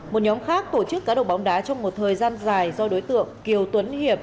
một nhóm khác tổ chức cá độ bóng đá trong một thời gian dài do đối tượng kiều tuấn hiệp